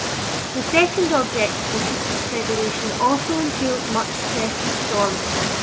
The second object of the Teachers' Federation also entailed much stress and storm.